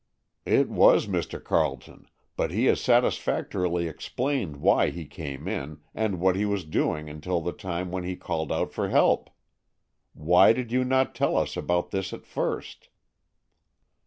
"It was Mr. Carleton, but he has satisfactorily explained why he came in, and what he was doing until the time when he called out for help. Why did you not tell us about this at first?"